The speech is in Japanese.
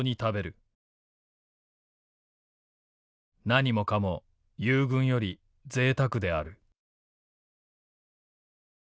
「何もかも友軍よりぜいたくである」。